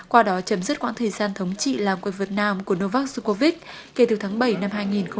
qua đó chấm dứt quãng thời gian thống trị làm quân việt nam của novak djokovic kể từ tháng bảy năm